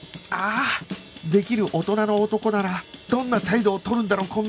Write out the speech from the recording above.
ああできる大人の男ならどんな態度を取るんだろう？